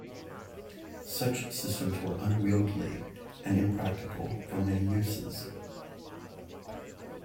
Such systems were unwieldily and impractical for many uses.